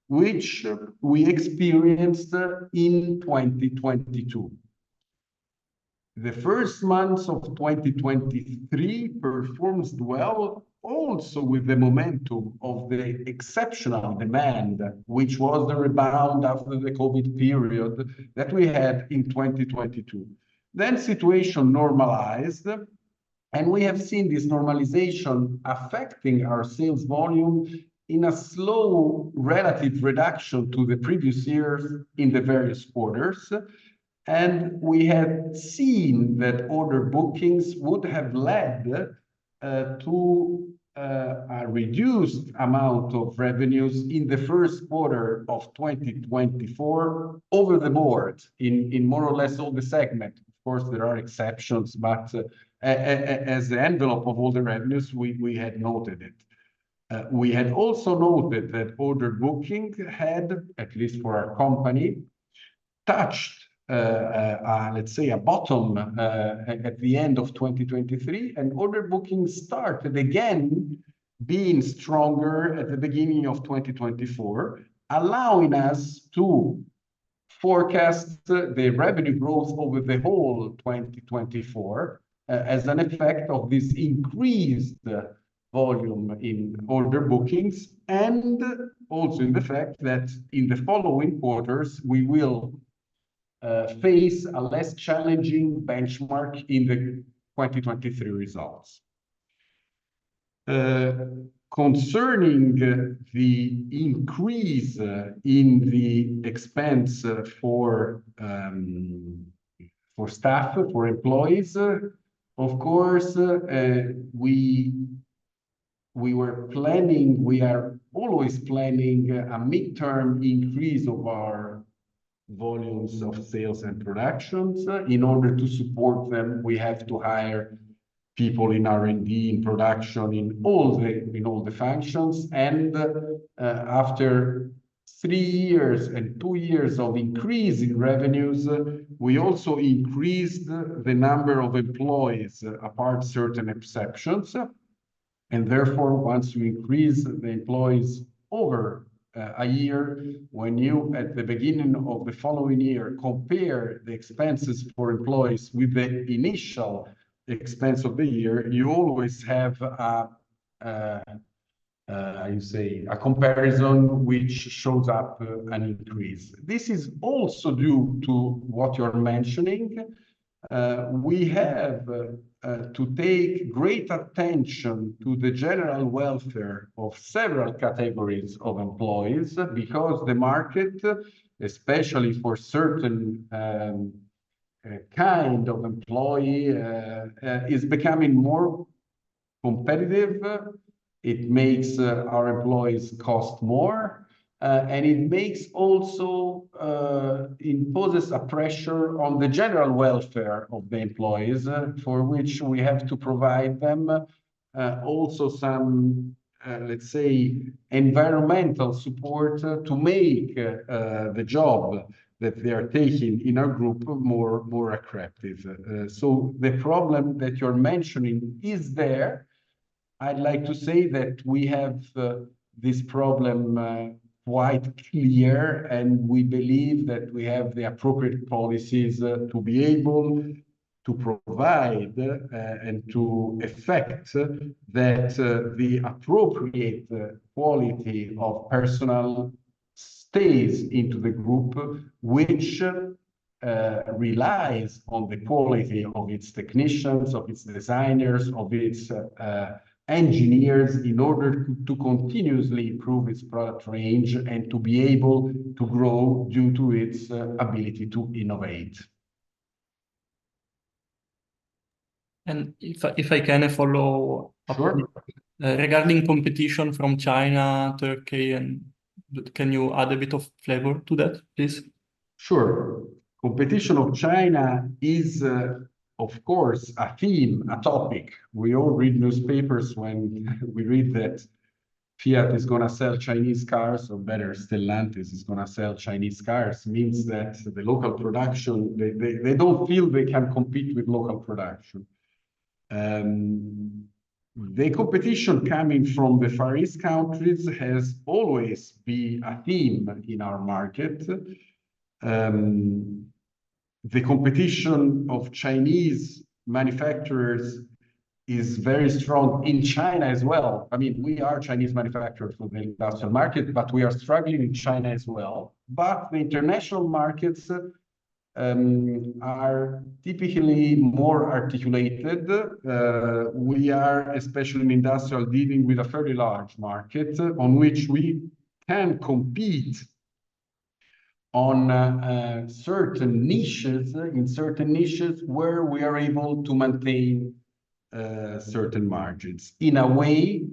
S2: which we experienced in 2022. The first months of 2023 performed well also with the momentum of the exceptional demand, which was the rebound after the COVID period that we had in 2022. Then situation normalized, and we have seen this normalization affecting our sales volume in a slow relative reduction to the previous years in the various quarters. And we have seen that order bookings would have led to a reduced amount of revenues in the Q1 of 2024 over the board, in, in more or less all the segment. Of course, there are exceptions, but as the envelope of all the revenues, we, we had noted it. We had also noted that order booking had, at least for our company, touched, let's say, a bottom, at the end of 2023, and order booking started again being stronger at the beginning of 2024, allowing us to forecast the revenue growth over the whole 2024, as an effect of this increased volume in order bookings, and also in the fact that in the following quarters, we will face a less challenging benchmark in the 2023 results. Concerning the increase in the expense for, for staff, for employees, of course, we, we were planning. We are always planning a midterm increase of our volumes of sales and productions. In order to support them, we have to hire people in R&D, in production, in all the, in all the functions. After three years and two years of increasing revenues, we also increased the number of employees, apart certain exceptions. Therefore, once you increase the employees over a year, when you, at the beginning of the following year, compare the expenses for employees with the initial expense of the year, you always have a you say, a comparison which shows up an increase. This is also due to what you're mentioning. We have to pay great attention to the general welfare of several categories of employees, because the market, especially for certain kind of employee, is becoming more competitive. It makes our employees cost more, and it makes also imposes a pressure on the general welfare of the employees, for which we have to provide them also some, let's say, environmental support to make the job that they are taking in our group more, more attractive. So the problem that you're mentioning is there. I'd like to say that we have this problem quite clear, and we believe that we have the appropriate policies to be able to provide and to effect that the appropriate quality of personnel stays into the group, which relies on the quality of its technicians, of its designers, of its engineers, in order to, to continuously improve its product range and to be able to grow due to its ability to innovate.
S9: If I can follow up?
S2: Sure.
S8: Regarding competition from China, Turkey, and... Can you add a bit of flavor to that, please?
S2: Sure. Competition of China is, of course, a theme, a topic. We all read newspapers. When we read that Fiat is gonna sell Chinese cars, or better, Stellantis is gonna sell Chinese cars, means that the local production, they don't feel they can compete with local production. The competition coming from the Far East countries has always been a theme in our market. The competition of Chinese manufacturers is very strong in China as well. I mean, we are Chinese manufacturers for the industrial market, but we are struggling in China as well. But the international markets-... are typically more articulated. We are, especially in industrial, dealing with a fairly large market, on which we can compete on, certain niches, in certain niches, where we are able to maintain, certain margins. In a way,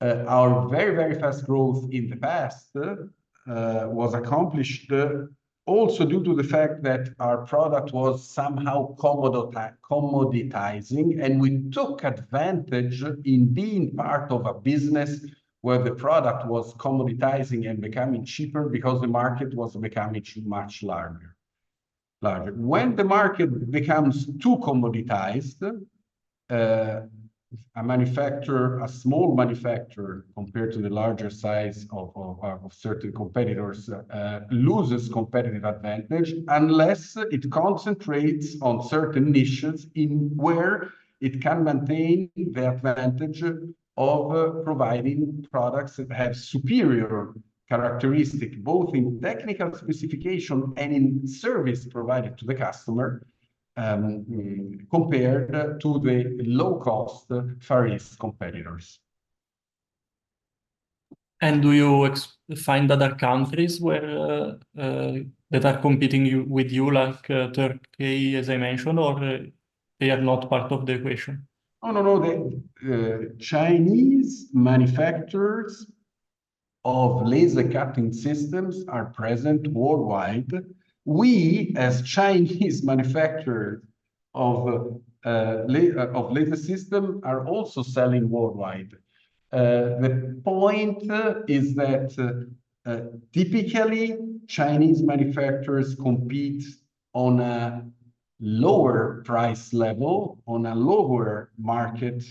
S2: our very, very fast growth in the past was accomplished also due to the fact that our product was somehow commoditizing, and we took advantage in being part of a business where the product was commoditizing and becoming cheaper because the market was becoming much larger. When the market becomes too commoditized, a manufacturer, a small manufacturer compared to the larger size of certain competitors, loses competitive advantage unless it concentrates on certain niches in where it can maintain the advantage of providing products that have superior characteristic, both in technical specification and in service provided to the customer, compared to the low-cost Far East competitors.
S8: Do you find other countries where that are competing with you, like Turkey, as I mentioned, or they are not part of the equation?
S2: Oh, no, no, the Chinese manufacturers of laser cutting systems are present worldwide. We, as Chinese manufacturer of laser system, are also selling worldwide. The point is that typically, Chinese manufacturers compete on a lower price level, on a lower market,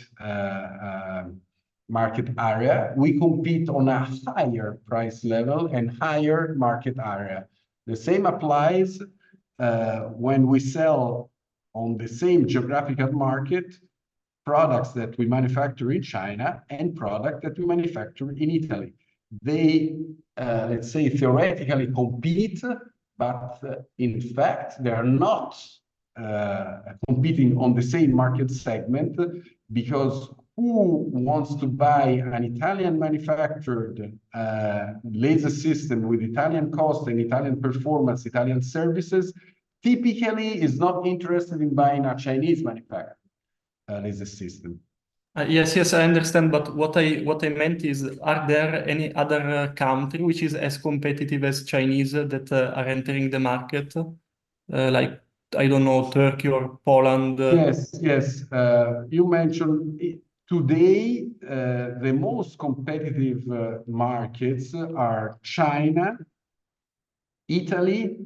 S2: market area. We compete on a higher price level and higher market area. The same applies when we sell on the same geographical market, products that we manufacture in China and product that we manufacture in Italy. They, let's say, theoretically, compete, but in fact, they are not competing on the same market segment, because who wants to buy an Italian-manufactured laser system with Italian cost and Italian performance, Italian services, typically is not interested in buying a Chinese-manufactured laser system.
S8: Yes, yes, I understand, but what I meant is, are there any other country which is as competitive as Chinese that are entering the market? Like, I don't know, Turkey or Poland.
S2: Yes, yes. You mentioned, today, the most competitive markets are China, Italy,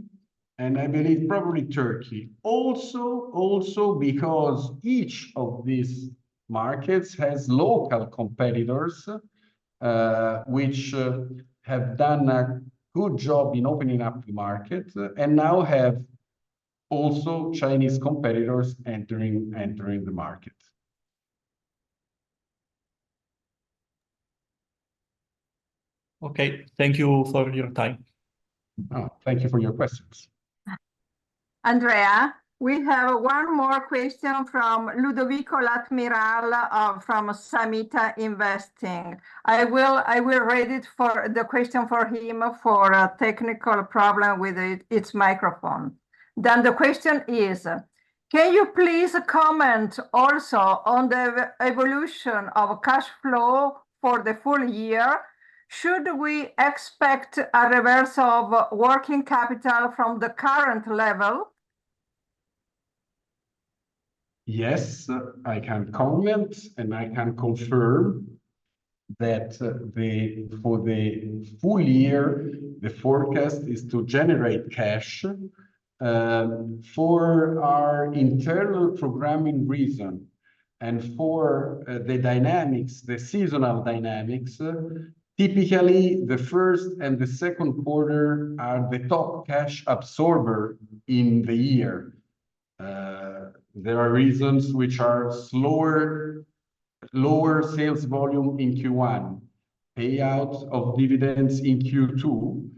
S2: and I believe probably Turkey. Also because each of these markets has local competitors, which have done a good job in opening up the market, and now have also Chinese competitors entering the market.
S8: Okay, thank you for your time.
S2: Oh, thank you for your questions.
S1: Andrea, we have one more question from Ludovico Latmiral from Samita Investing. I will read the question for him for a technical problem with his microphone. Then the question is: "Can you please comment also on the evolution of cash flow for the full year? Should we expect a reversal of working capital from the current level?
S2: Yes, I can comment, and I can confirm that, for the full year, the forecast is to generate cash for our internal programming reason and for the dynamics, the seasonal dynamics. Typically, the first and the Q2 are the top cash absorber in the year. There are reasons which are slower, lower sales volume in Q1, payout of dividends in Q2,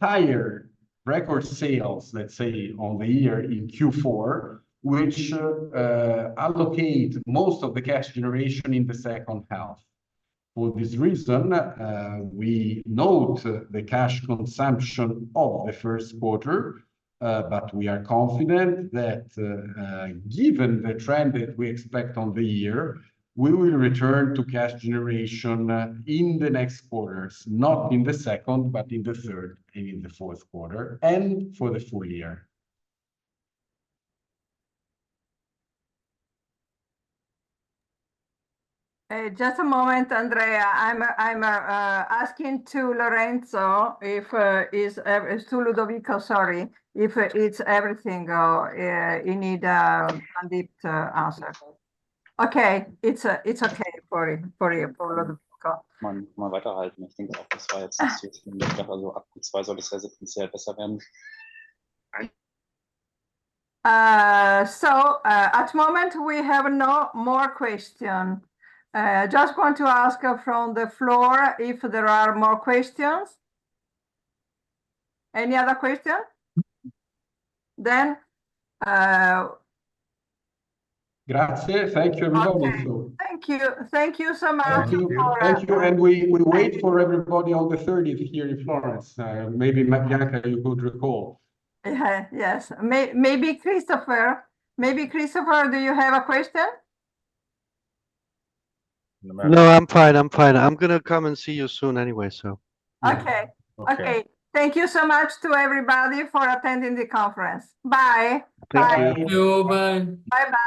S2: higher record sales, let's say, on the year in Q4, which allocate most of the cash generation in the second half. For this reason, we note the cash consumption of the Q1, but we are confident that, given the trend that we expect on the year, we will return to cash generation in the next quarters, not in the second, but in the third and in the Q4, and for the full year.
S1: Just a moment, Andrea. I'm asking Lorenzo if it's everything you need indeed to answer. Okay, it's okay for you, for Ludovico. So, at moment, we have no more question. Just want to ask from the floor if there are more questions. Any other question? Then-
S2: Grazie. Thank you, everybody.
S1: Thank you. Thank you so much for-
S2: Thank you, thank you. We will wait for everybody on the 30th here in Florence. Maybe, Matyaka, you could recall.
S1: Yes. Maybe Christopher, maybe Christopher, do you have a question?
S8: No, I'm fine. I'm fine. I'm gonna come and see you soon anyway, so...
S1: Okay.
S2: Okay.
S1: Okay. Thank you so much to everybody for attending the conference. Bye. Bye.
S2: Thank you. Bye.
S1: Bye-bye.